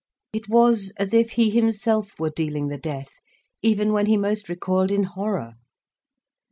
It was as if he himself were dealing the death, even when he most recoiled in horror.